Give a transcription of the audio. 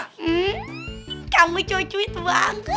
hmm kamu cocuit banget